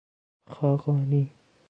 خاقانی